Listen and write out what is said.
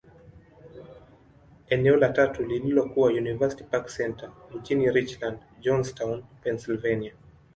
Eneo la tatu lililokuwa University Park Centre, mjini Richland, Johnstown, Pennyslvania.